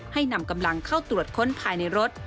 นำกำลังเข้าตรวจค้นภายในรถ